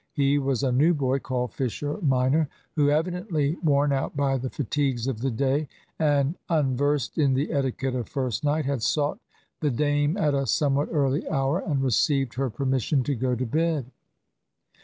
He was a new boy called Fisher minor, who, evidently worn out by the fatigues of the day and unversed in the etiquette of first night, had sought the dame at a somewhat early hour, and received her permission to go to bed.